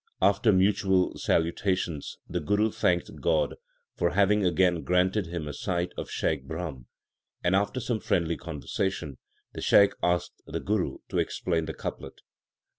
After mutual salutations, the Guru thanked God for having again granted him a sight of Shaikh Brahm. After some friendly conversation, the Shaikh asked the Guru to explain the couplet.